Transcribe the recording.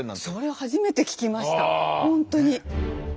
それは初めて聞きました本当に。